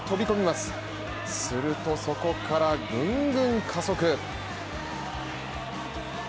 するとそこからぐんぐん加速。